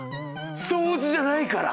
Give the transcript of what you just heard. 相似じゃないから。